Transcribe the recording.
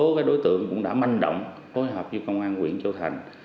và có một số đối tượng cũng đã manh động phối hợp với công an quyện châu thành